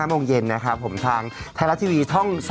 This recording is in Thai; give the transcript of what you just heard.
โมงเย็นนะครับผมทางไทยรัฐทีวีช่อง๓๒